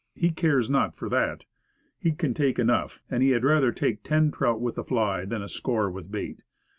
He cares not for that. He can take enough; and he had rather take ten trout with the fly than a score with bait.